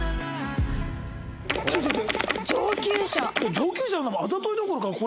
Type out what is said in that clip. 上級者もうあざといどころか。